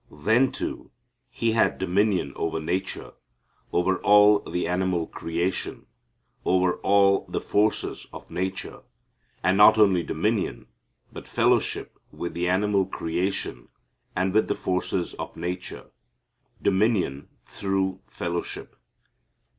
Then, too, he had dominion over nature, over all the animal creation, over all the forces of nature, and not only dominion, but fellowship with the animal creation and with the forces of nature: dominion through fellowship.